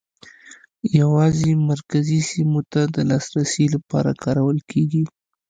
یوازې مرکزي سیمو ته د لاسرسي لپاره کارول کېږي.